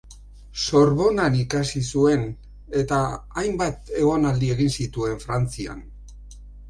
Sorbonan ikasi zuen, eta hainbat egonaldi egin zituen Frantzian.